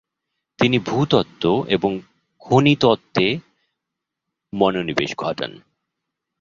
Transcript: তিনি ভূ-তত্ত্ব এবং খনিতত্ত্বে মনোনিবেশ ঘটান।